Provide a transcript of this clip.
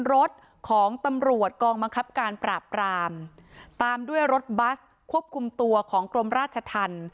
รถของตำรวจกองบังคับการปราบรามตามด้วยรถบัสควบคุมตัวของกรมราชธรรม